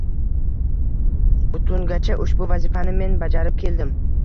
Butungacha ushbu vazifani men bajarib keldim.